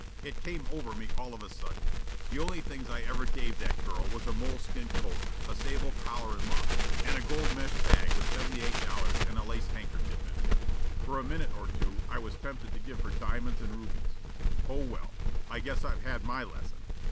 It came over me all of a sudden. The only things I ever gave that girl was a moleskin coat, a sable collar and muff, and a gold mesh bag with seventy eight dollars and a lace handkerchief in it. For a minute or two I was tempted to give her diamonds and rubies oh, well, I guess I've had my lesson.